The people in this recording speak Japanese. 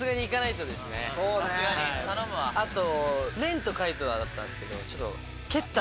あと。